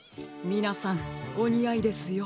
みなさんおにあいですよ。